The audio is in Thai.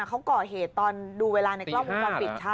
เขาก่อเหตุตอนดูเวลาในกล้องพุทธ